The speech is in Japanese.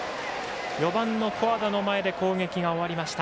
４番の古和田の前で攻撃が終わりました。